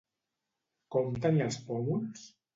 Com tenia els pòmuls?